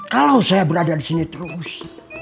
kalau saya berada disini terus